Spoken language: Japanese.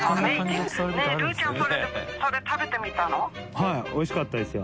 はいおいしかったですよ。